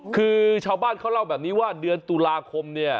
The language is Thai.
คือชาวบ้านเขาเล่าแบบนี้ว่าเดือนตุลาคมเนี่ย